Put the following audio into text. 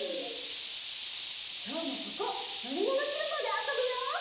きょうもここのりものひろばであそぶよ！